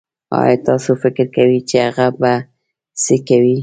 ايا تاسو فکر کوي چې هغه به سه کوئ